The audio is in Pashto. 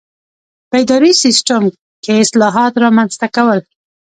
په اداري سیسټم کې اصلاحات رامنځته کول.